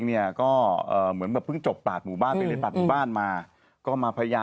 พลิกต๊อกเต็มเสนอหมดเลยพลิกต๊อกเต็มเสนอหมดเลย